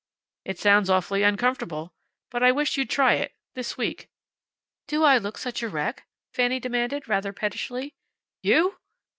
"It sounds awfully uncomfortable. But I wish you'd try it, this week." "Do I look such a wreck?" Fanny demanded, rather pettishly. "You!"